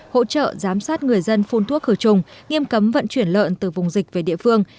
hỗ trợ giám sát người dân phun thuốc khử trùng nghiêm cấm vận chuyển lợn từ vùng dịch về địa phương